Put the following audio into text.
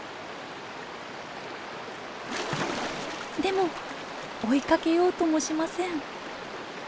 でも追いかけようともしません。